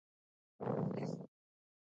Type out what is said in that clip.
او موږ چې څه ورکړي دي